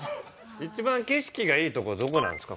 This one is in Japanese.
一番景色がいい所どこなんですか？